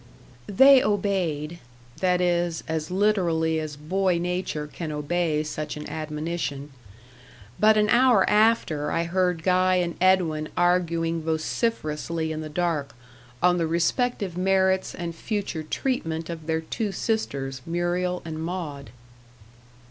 They obeyed that is, as literally as boy nature can obey such an admonition. But an hour after I heard Guy and Edwin arguing vociferously in the dark, on the respective merits and future treatment of their two sisters, Muriel and Maud.